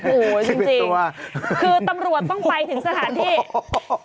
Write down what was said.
โอ้โหจริงคือตำรวจต้องไปถึงสถานที่